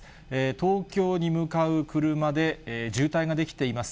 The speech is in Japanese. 東京に向かう車で渋滞が出来ています。